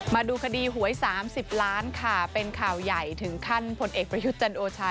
มาดูคดีหวย๓๐ล้านค่ะเป็นข่าวใหญ่ถึงขั้นพลเอกประยุทธ์จันโอชา